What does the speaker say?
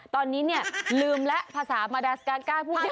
ตอนนี้เนี่ยลืมแล้วภาษามาดาสกาก้าพูดได้